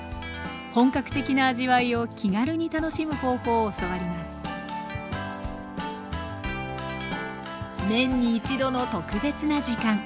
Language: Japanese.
本格的な味わいを気軽に楽しむ方法を教わります年に一度の特別な時間。